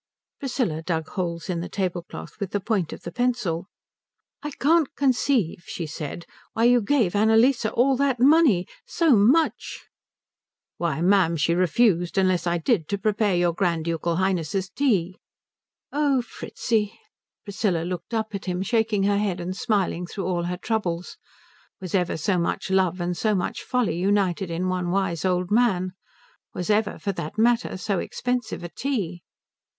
Priscilla dug holes in the tablecloth with the point of the pencil. "I can't conceive," she said, "why you gave Annalise all that money. So much." "Why, ma'am, she refused, unless I did, to prepare your Grand Ducal Highness's tea." "Oh Fritzi!" Priscilla looked up at him, shaking her head and smiling through all her troubles. Was ever so much love and so much folly united in one wise old man? Was ever, for that matter, so expensive a tea?